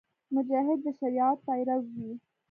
مجاهد د شریعت پیرو وي.